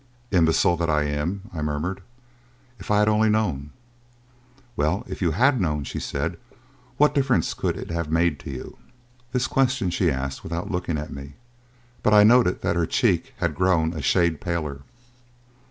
"Imbecile that I am," I murmured. "If I had only known!" "Well, if you had known," said she; "what difference could it have made to you?" This question she asked without looking at me, but I noted that her cheek had grown a shade paler.